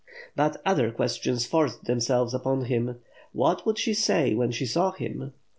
* But, other questions forced themselves upon him. What would she say when she saw him?